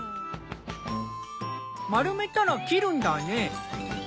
丸めたら切るんだね。